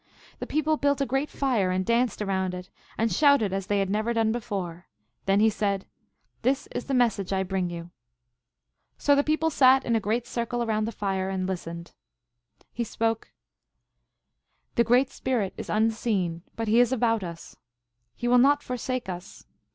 The people built a great fire and danced around it, and shouted as they had never done before. Then he said, " This is the message I bring you." THE MERRY TALES OF LOX. 203 So the people sat in a great circle round the fire and listened. He spoke :" The Great Spirit is unseen, but he is about us. He will not forsake us.